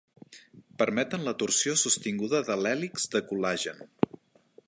Permeten la torsió sostinguda de l'hèlix del col·làgen.